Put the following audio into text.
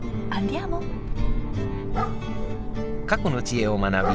過去の知恵を学び